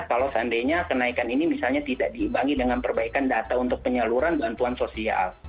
kalau seandainya kenaikan ini misalnya tidak diimbangi dengan perbaikan data untuk penyaluran bantuan sosial